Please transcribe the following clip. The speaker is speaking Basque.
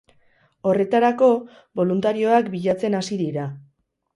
Horretarako, boluntarioak bilatzen hasi dira.